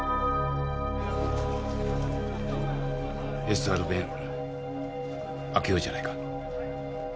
ＳＲ弁開けようじゃないか。